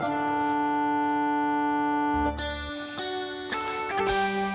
kamu mau ke rumah